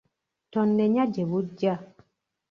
Tonnenya gye bujja.